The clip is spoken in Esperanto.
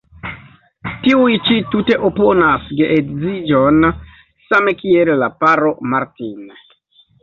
Tiuj ĉi tute oponas geedziĝon, same kiel la paro Martin.